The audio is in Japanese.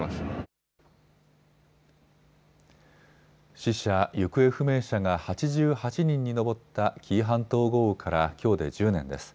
死者・行方不明者が８８人に上った紀伊半島豪雨からきょうで１０年です。